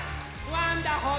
「ワンダホー！」